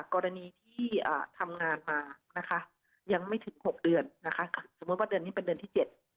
กรณีที่ทำงานมานะคะยังไม่ถึง๖เดือนนะคะสมมุติว่าเดือนนี้เป็นเดือนที่๗